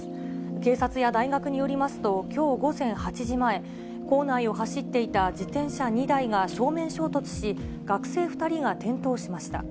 警察や大学によりますと、きょう午前８時前、構内を走っていた自転車２台が正面衝突し、学生２人が転倒しました。